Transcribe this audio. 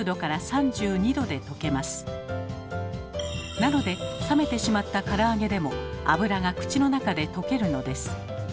なので冷めてしまったから揚げでも脂が口の中で溶けるのです。